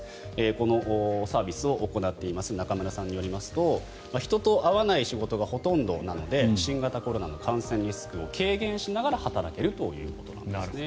このサービスを行っています中村さんによりますと人と会わない仕事がほとんどなので新型コロナの感染リスクを軽減しながら働けるということなんですね。